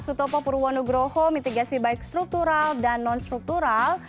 sutopo purwono groho mitigasi baik struktural dan non struktural